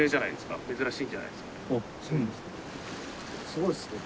すごいですね。